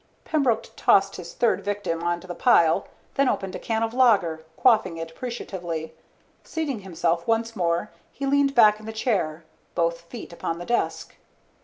Pembroke tossed his third victim onto the pile, then opened a can of lager, quaffing it appreciatively. Seating himself once more, he leaned back in the chair, both feet upon the desk.